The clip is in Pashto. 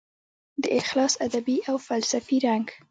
د اخلاص ادبي او فلسفي رنګ